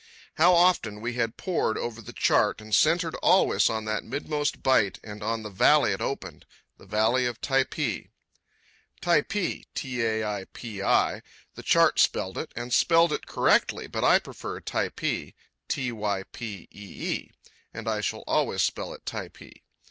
How often we had pored over the chart and centred always on that midmost bight and on the valley it opened—the Valley of Typee. "Taipi" the chart spelled it, and spelled it correctly, but I prefer "Typee," and I shall always spell it "Typee."